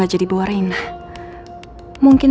bagaimana cewek dia juga bener kok